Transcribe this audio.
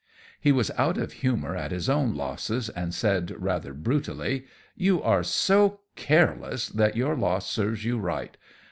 He was out of humour at his own losses, and said, rather brutally, "You are so careless that your loss serves you right.